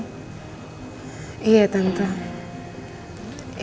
tapi itu sudah berharap banyak mbak jen